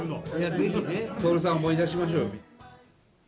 ぜひね、徹さんを思い出しましょうよ。